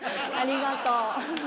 ありがとう。